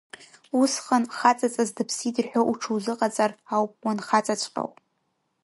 Усҟан, хаҵаҵас дыԥсит рҳәо уҽузыҟаҵар ауп уанхаҵаҵәҟьоу!